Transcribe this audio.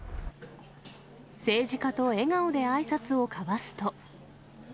政治家と笑顔であいさつを交わすと。